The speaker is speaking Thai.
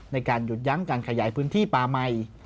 ในการหยุดยั้งการขยายพื้นที่ป่าใหม่